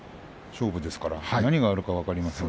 勝負ですから何があるか分かりません。